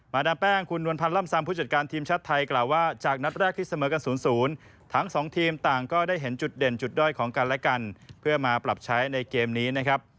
ดามแป้งคุณนวลพันธ์ล่ำซำผู้จัดการทีมชาติไทยกล่าวว่าจากนัดแรกที่เสมอกัน๐๐ทั้งสองทีมต่างก็ได้เห็นจุดเด่นจุดด้อยของกันและกันเพื่อมาปรับใช้ในเกมนี้นะครับ